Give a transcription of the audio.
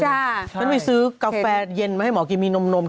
ฉันไปซื้อกาแฟเย็นมาให้หมอกินมีนม